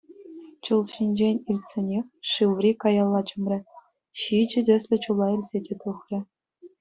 Чул ҫинчен илтсенех Шыври каялла чӑмрӗ — ҫичӗ тӗслӗ чула илсе те тухрӗ.